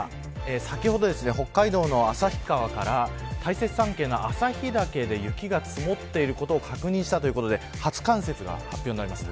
先ほど北海道の旭川から大雪山系の旭岳で雪が積もっていることを確認したということで初冠雪が発表になりました。